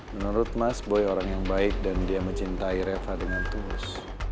menurut mas boy orang yang baik dan dia mencintai reva dengan tulus